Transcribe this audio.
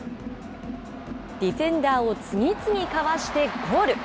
ディフェンダーを次々かわしてゴール。